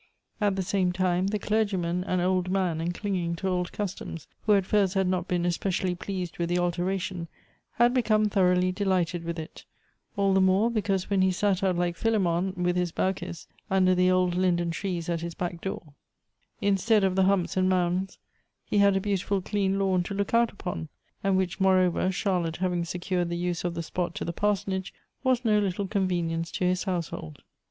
At the same time the clergyman, an old man and clinging to old customs, who at first had not been especially pleased with the altera tion, had become thoroughly delighted with it, all the more because when he sat out like Philemon with his Baucis under the old linden trees at his back door, instead Elective Affinities. 155 of the humps and mounds he had a beautiful clean lawu to look out upon ; and which, moreover, Charlotte having secured the use of the spot to the parsonage, was no litije convenience to his household.